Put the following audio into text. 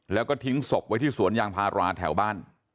แล้วก็ทิ้งศพไว้ที่สวนยางพาราแถวบ้าน